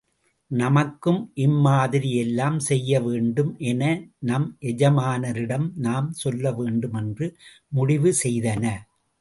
நமக்கும் இம்மாதிரி எல்லாம் செய்ய வேண்டும் என நம் எஜமானரிடம் நாம் சொல்ல வேண்டும் என்று முடிவு செய்தன.